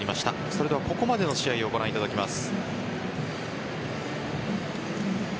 それではここまでの試合をご覧いただきます。